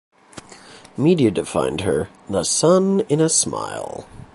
Media defined her "the sun in a smile".